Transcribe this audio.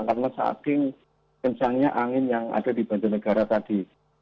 karena saat ini kencangnya angin yang ada di banjar negara tadi